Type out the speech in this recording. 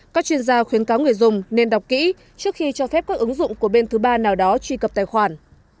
các chuyên gia khuyến cáo người dùng nên đọc kỹ trước khi cho phép các ứng dụng của bên thứ ba nào đó truy cập tài khoản